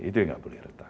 itu yang nggak boleh retak